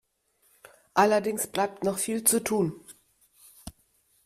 Allerdings bleibt noch viel zu tun.